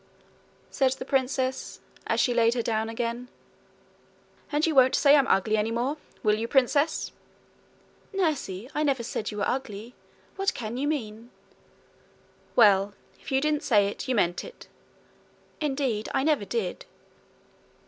said the princess, as she laid her down again. 'And you won't say I'm ugly, any more will you, princess?' 'Nursie, I never said you were ugly. What can you mean?' 'Well, if you didn't say it, you meant it.' 'Indeed, I never did.'